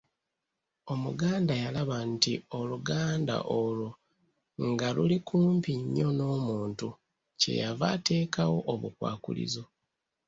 Omuganda yalaba nti oluganda olwo nga luli kumpi nnyo n’omuntu kye yava ateekawo “obukwakkulizo.”